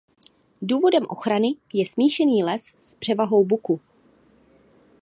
Důvodem ochrany je smíšený les s převahou buku.